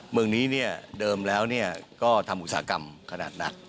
เมืองนี้เดิมแล้วก็ทำอุตสาหกรรมขนาดหนัก